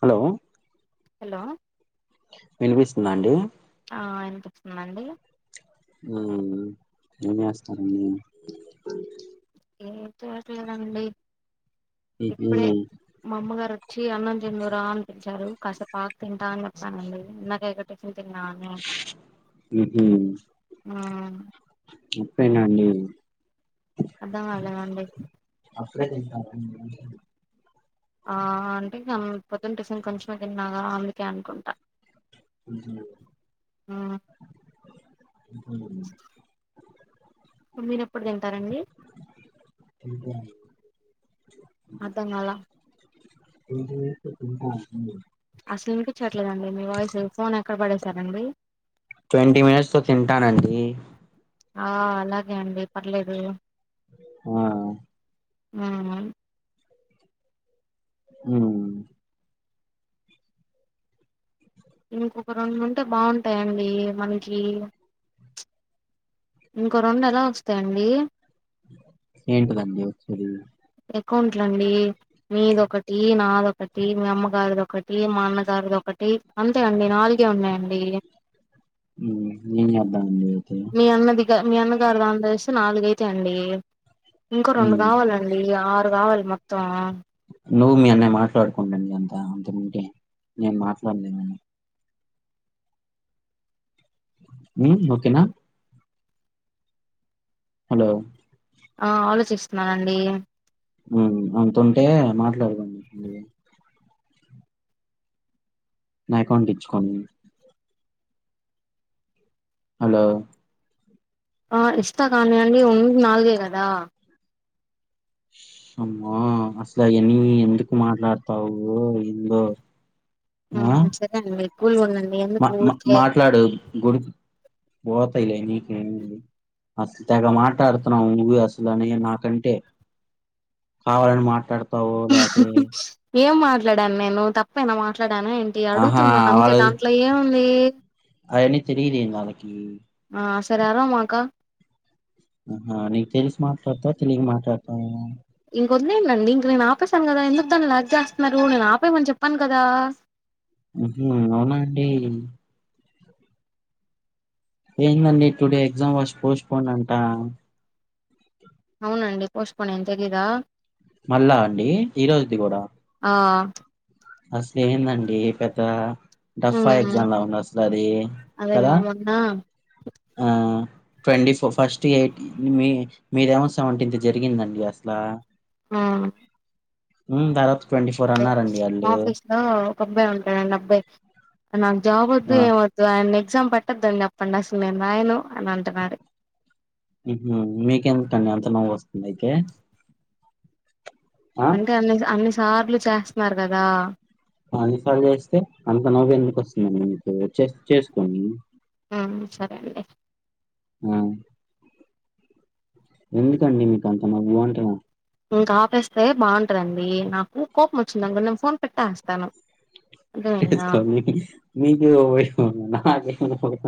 Hello hello వినిపిస్తుందా అండి హా వినిపిస్తుందండి ఏం చేస్తున్నారండి ఎత్తట్లేదండి మ్హూ ఇప్పుడే మా అమ్మగారు వచ్చి అన్నం తిందురా అని పిలిచారు కాసేపు ఆగి తింటా అని చెప్పానండి ఇందకేక నువ్వు తిన్నావానే మ్హూ హా అప్పుడేనండి అర్థమవ్వలేదండి అప్పుడే తింటారండి అంటున్న ఆ అంటేఇంగా పొద్దున టిఫిన్ కొంచెం తిన్నాగా అందుకే అనుకుంటా ఉహూమ్ ఉమ్ ఉహూమ్ వండినప్పుడుదే ఉహూమ్ అర్థం కాలా [unintelligible] అసలు వినిపించట్లేదండి మీ వాయిస్ ఫోన్ ఎక్కడ పడేసారండి ట్వంటీ మినిట్స్ లో తింటానండి ఆ అలాగే అండి పర్లేదు ఆ మ్మ్ మ్మ్ ఇంకొక రెండు ఉంటే బావుంటాయండి మనకి చుప్ ఇంకో రెండు ఎలా వస్తాయండి ఏంటిదండి వచ్చేది అకౌంట్లండి మీదొకటి నాదొకటి మీ అమ్మగారుది ఒకటి మీ నాన్న గారిది ఒకటి అంతే అండి నాలుగే ఉన్నాయండి మ్మ్ ఏం చేద్దామండి అయితే మీ అన్నదిక మీ అన్న గారు అందస్ నాలుగైతాయ్ అండి ఇంకో రెండు మ్మ్ కావాల లీ ఆరు కావలి మొత్తం నువ్వు మీ అన్నయ్యా మాట్లాడుకోండి ఇదంత అంతముంటే నేను మాట్లాడలేను మ్మ్ ఓకేనా హలో ఆ ఆలోచిస్తున్నానండి మ్మ్ అంతుంటే మాట్లాడదండి అ నా అకౌంట్ ఇచ్చుకోండి హలో ఆ ఇస్తా కానీ అండి ఉంది నాలుగే కదా ఉష్ అమ్మో అసలే అన్ని ఎందుకు మాట్లాడతావో ఏందో ఆ హ సరే అండి కూల్ గా ఉండం మా మా మాట్లాడు గుడి బోతాయిలే నీక ఏమైంది అసలు తెగ మాట్లాడుతున్నావు నువ్వే అసలు అనే నాకంటే కావాలని మాట్లాడుతు ఏం మాట్ [unintelligible] నేను తప్పేమన్న మాట్లాడా మాట్లాడానా ఏంటి ఆహా అడుగుతున్నా అంతే వాళ్ళ దాంట్లో ఏముంది అవన్నీ తెలియదేంది వాళ్ళకి ఆ సరే అరవమాక హా నీకు తెలిసి మాట్లాడతావా తెలియక మాట్లాడతావా వదిలేయండి ఇంక నేను ఆపేశాను కదా ఎందుకు దాన్ని లాగ్ చేస్తున్నారు నేను ఆపేయమని చెప్పాను కదా ఉహు అవునా అండి ఏందండి టుడే ఎగ్జామ్ ఫస్ పోస్ట్పోన్ అంటా అవునండి పోస్ట్ పోన్ అయ్యింది తెలీదా మళ్ళా అండి ఈరోజుది కూడా ఆ అసలే ఏందండి పెద్ద డఫ్ఫా మ్మ్ ఎగ్జామ్ లా ఉంది అసలా అది అదే కదా మొన్న ఆ ట్వంటీ ఫోర్ ఫస్ట్ ఎయిటీ మీ మీరేమో సెవెంటీన్త్ జరిగిందండి అసలా ఆ ఆ ఉమ్ దాదాపు ట్వంటీ ఫోర్ అన్నారండి అల్లు ఆఫీస్ లో ఒక అబ్బాయి ఉంటాడండి అబ్బాయి నాకు జాబ్ వద్దు ఆ ఏం వద్దు ఆయన్నే ఎగ్జామ్ పేట్టొద్దండి అప్పటిని అసలు నేను రాయను అని అంటున్నాడు నైతే అంటే అన్ని అన్ని సార్లు చేస్తున్నారు కదా అన్నిసార్లు చేస్తే అంత నవ్వు ఎందుకు వస్తుందండి మీకు చేసు చేసుకోండి ఆ సరే అండి ఆ ఎందుకండి మీకు అంత [unintelligible] టరు అండి నాకు కోపం వచ్చిందనుకో నేను ఫోన్ పెట్టేస్తాను అర్థమైందా [unintelligible] [unintelligible]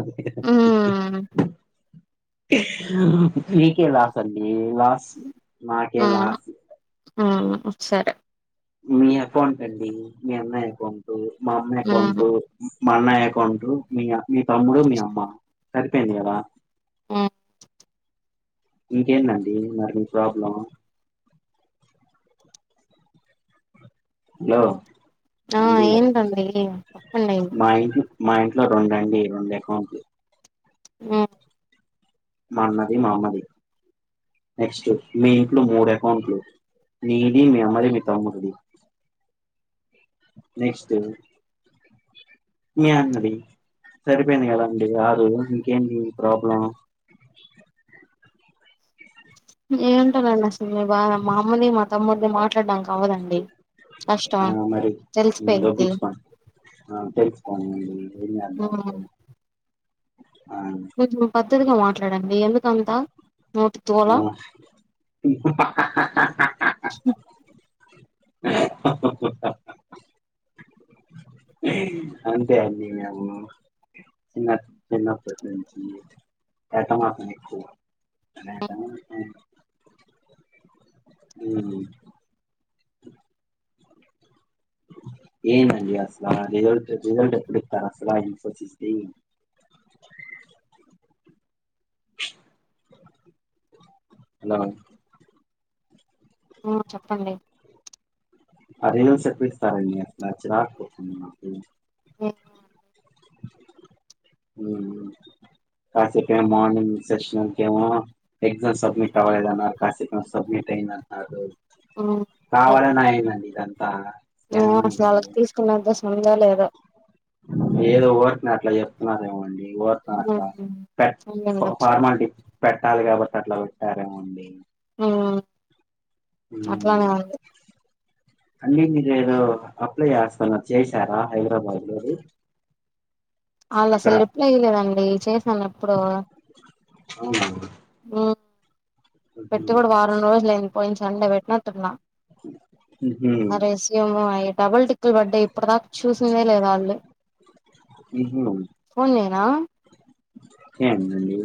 మ్మ్ మీకే లాసండి వాస్ మాకేం లాస్ ఆ ఆ సరే మీ అకౌంట్ అండి మీ అమ్మాయి అకౌంటు మ అమ్మ ఎకౌంట్ హ్మ్ మా అన్నయ్య అకౌంట్ మీ మీ తమ్ముడు మీ అమ్మ సరిపోయింది కదా హ్మ్ ఇంకేంటండి మరి ప్రాబ్లం హాలో ఆ ఏంటి అండి చెప్పండి మా ఇంట్లో మా ఇంట్లో రెండు అండి రెండు అకౌంట్లు ఆ మా అన్నది మా అమ్మది నెక్స్ట్ మీ ఇంట్లో మూడు అకౌంట్లు మీది మీ అమ్మది మీ తమ్ముడిది నెక్స్ట్ మీ అన్నది సరిపోయింది కదాండి ఆరు ఇంకేంటి ప్రాబ్లం ఏంటానండి అసలు మీ బాధ మా అమ్మని మా తమ్ముడిని మాట్లాడడానికి అవ్వదండి కష్టం ఆ మరి తెలిసిపోయిద్ది దోచ్చించుకోండి ఆ తెలుసుకోండి ఏం చేదాం హ్మ్ అ కొంచెం పద్ధతిగా మాట్లాడండి అ యందు కంతా నూటి తూల ఆ అంతే అండి మేము చిన్న చిన్నప్పటి నుంచి రెటమతం ఎక్కువ అ ఉమ్ ఏమండీ అసలా రిజల్ట్ రిజల్ట్ పెడతారు అసలుకే తినవా ఆ చెప్పండి అరెంజ్ మెంట్స్ ఎపుడు చేస్త రండి నాకు చిరాకు పుడుతోంది ఉమ్ కాసపు మార్నింగ్ సెక్షన్ ఏమో ఎగ్జామ్ సబ్మిట్ అవలేదు అన్నారు కాసపు సబ్మిట్ అయింది అన్నారు హ్మ్. అదే. కావాలని అయింది ఆండి ఇదంతా ఏమో స్కామ్ అసలు అయింది ఆళ్ళకి తీసుకున్నంత ఉందో లేదో ఏదో వర్క్ నా అట్లా చెప్ప నాదేమండి కోట్ల హ్మ్ ఆస్తి అయ్యుండొచ్చు ఫార్మాలిటీ పెట్టాలి కాబట్టి అట్లా పెట్టారేమో అండి ఉమ్ హమ్ అండి మీరేదో అప్లై చేస్తన్నారు చేశారా హైదరాబాద్ లోది వాళ్ళు అక్కడ అసల్ రిప్లై ఇయలేదండి చేశాను ఎప్పుడో అవునా ఉమ్ పెట్టి గుడ వారం రోజులు అయింది పోయిన సండే పెట్టినట్టున్నా మ్హూ అ రెస్యూము అయి డబుల్ టిక్కులు బడై ఇప్పటి దాకా చూసిందే లేద వాళ్ళు ఫోన్ చేయనా ఎందండి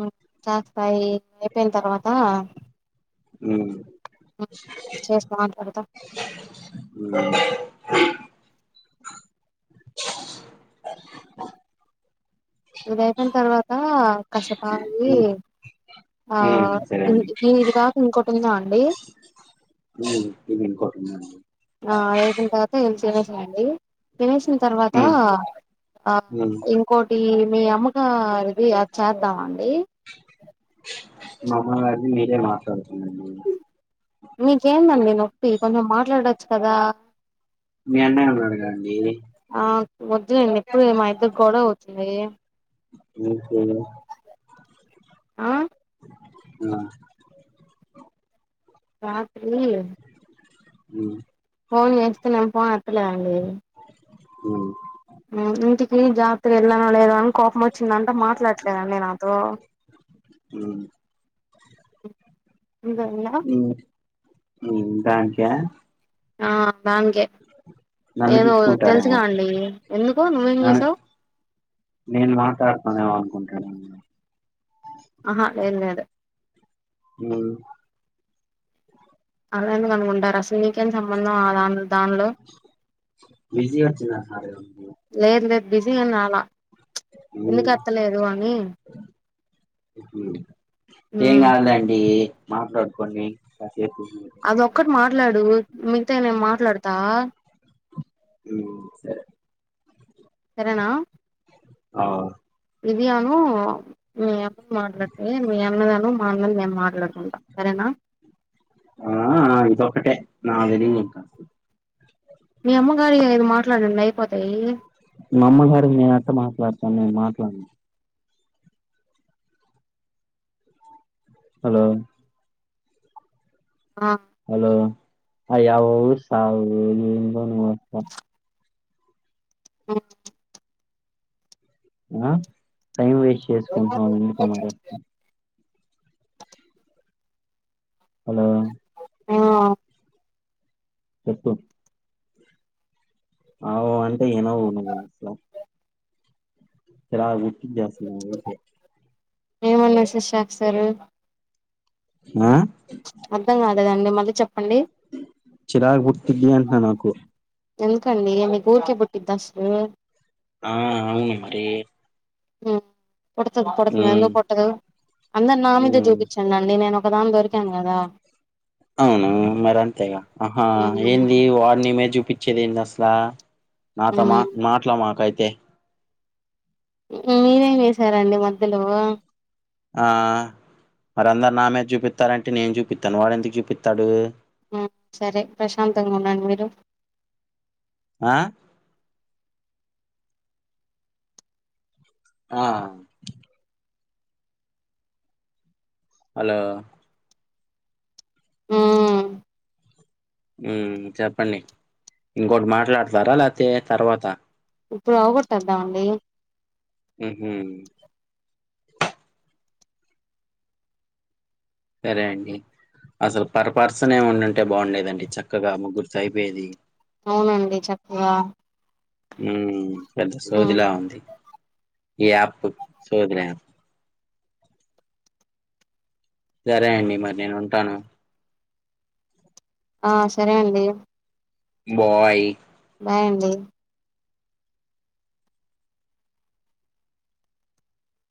ఉమ్ చేస్తాయి అయిపోయిన తర్వాత మ్మ్ హ్మ్, చేసి మాట్లాడతా మ్మ్ ఇదయిపయిన తర్వాత కషేపాగి మ్మ్ ఆ మ్మ్ సరే ఇన్ అండి ఇ ఇదిగా ఇంకోటి ఉందా అండి ఊ ఇంకోటి ఉందా అండి ఆ అదయి పోయిన తర్వాత ఏం చేసేసి రా అండి తినేసిన తర్వాత మ్మ్ ఆ మ్మ్ ఇంకోటి మీ అమ్మగ ఇది అ చేద్దామండి మా అమ్మ గారిది మీరే మాట్లాడండి మీకేందండి నొప్పి కొంచెం మాట్లాడొచ్చు కదా మీ అన్నయ్య ఉన్నాడుగా అండి ఆ వొద్దులేండి ఎప్పుడు మా ఇద్దరికి గొడవ అవుతుంది నీ [inaudible] ఆ హ్మ్ రాత్రి మ్మ్ ఫోన్ చేస్తే నేన్ ఫోన్ ఎత్తలేదండి మ్మ్ ఇంటికి జాగ్రత్తగా వెళ్ళానా లేద అని కోపం వచ్చిందంట మాట్లాడట్లేదండి నాతో మ్మ్ మీదల్లా ఇంగా అంటే ఆ దాన్కే నన్ను నేను తిట్టుకుంటాడేమో తెలుసుగా అండి ఎందుకు నువ్వేం నన్ను చేసావ్ కొంటనేమ్ ఆహా లేదు లేదు మ్మ్ అలా ఎందుకు అనుకుంటారస్ నీకేం సంబంధం ఆ వాళ్ళ దానిలో బిజీ వచ్చిందా సార్ లేదు లే బిజీ ఉన్నావా ప్చ్ అందుకే ఎత్తలేదు అని హ్మ్ ఏం కాదులేండి మాట్లాడు పన్ని కసేపు అది ఒక్కటి మాట్లాడు మిగతా న ఏం మాట్లాడతా మ్మ్ సరే సరేనా ఆవు విధి అను మీ అమ్మ మాట్లాడితే మీ అన్నమదా మ్మ్ మాంగల్యం మాట్లాడు ఆ ఇది ఒకటే నాగలి నక్క మీ అమ్మగారి ఏ మాట్లాడండి అయిపోతాయి. మా అమ్మగారికి నేనెట్ట మాట్లాడతాను నేను మాట్లాను. హలో ఆ హలో ఆ ఎవ్వరు సావరు ఇదెందొ మా అత్త ఉ ఆ టైం వేస్ట్ చేసుకుంట్నం ఎందుకో మరి హలో ఆ చెప్పు ఆవొ అంటే యినవు నువ్వు స్లా ఎలావు ది అ‌సల అయితె ఏమన్నా సుషాక్సారు ఆ దదండ మలిక్ చిరాకు పుట్టిద్ది అంట్నా నాకు ఎందుకండి మీకు ఊరికే పుట్టిద్దసలు ఆ అవును మరి ఆ ఉ అందరు నా ఉ మీదే చూపించండి అండి నేను ఒకదాని దొరికాను కదా అవును మరి అంతేగా ఆహా ఏంది వాడు నీమీద చూపించేది ఏంది అస్ ల నాతో మా మాట్లామాక్ అయితె మీరేం చేసారండి మధ్యలో ఆ మరి అందరు నా మీద జూపిత్తారెంటి నేను జుపిత్తాను వాడెందుకు జూపిత్తాడు. ఉ సరే ప్రశాంతంగా ఉండండి మీరు ఆ ఆ హలో ఉ ఉ చెప్పండి. ఇంకోటి మాట్లాడతారా లేతే తర్వాత ఇప్పుడు అవకొట్టేద్దాం అండి. హుహు సరే అండి అసలు పర్ పర్సన్ నే ఉండుంటే బాగుండేదండి. చక్కగా ముగ్గురుతో అయిపోయేది. అవునండి చక్కగా హుం పెద్ద సోదిలా ఉంది. ఈ యాప్ సోదులో యాప్ సరే అండి మరి నేను ఉంటాను. ఆ సరే అండి. బాయ్ ఆయ్ అండి.